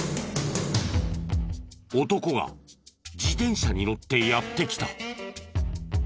男が自転車に乗ってやって来た。